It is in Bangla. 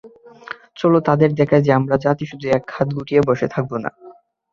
চলো তাদের দেখাই, যে আমাদের জাতি শুধু হাত গুটিয়ে বসে থাকবে না।